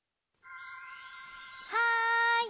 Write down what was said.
はい！